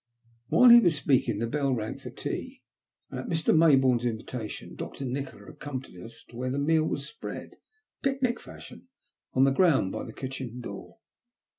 While he was speaking the bell rang for tea, and at Mr. Mayboume*s invitation Dr. Nikola accompanied us to where the meal was spread — picnic fashion — on the ground by the kitchen door.